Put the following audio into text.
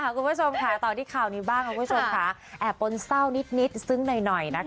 คุณผู้ชมค่ะตอนที่ข้าวนี้บ้างคุณผู้ชมแอบคนเศร้านิดนิดซึ่งหน่อย